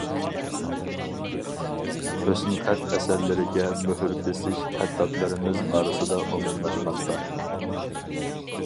ھۆسنخەت ئەسەرلىرىگە مۆھۈر بېسىش خەتتاتلىرىمىز ئارىسىدا ئومۇملاشماقتا.